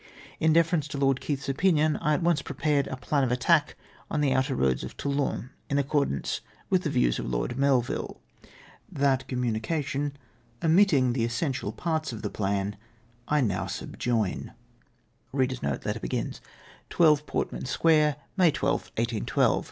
Li deference to Lord Keith's opinion I at once pre pared a .plan of attack on the outer roads of Toulon, in accordance with the views of Lord Melville. That communication, omitting the essential parts of the plan, I now subjoin. " 12 Portman Square, May 12tli, 1812.